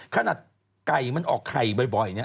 ขนาดไก่มันออกไข่บ่อยเนี่ย